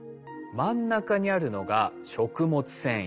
真ん中にあるのが食物繊維。